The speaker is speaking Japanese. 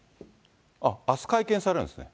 あっ、あす会見されるんですね。